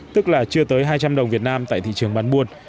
tức là chưa tới hai trăm linh đồng việt nam tại thị trường bán buôn